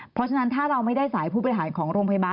เพราะฉะนั้นถ้าเราไม่ได้สายผู้บริหารของโรงพยาบาล